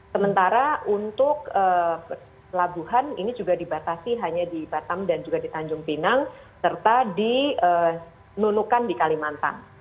sementara untuk pelabuhan ini juga dibatasi hanya di batam dan juga di tanjung pinang serta di nunukan di kalimantan